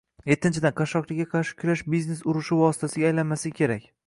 Ettinchidan, qashshoqlikka qarshi kurash biznes urushi vositasiga aylanmasligi kerak